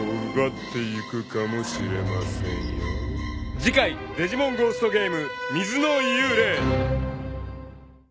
［次回『デジモンゴーストゲーム』］